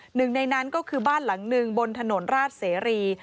หนึ่งในนั้นก็คือบ้านหลังหนึ่งบนถนนราชเสรี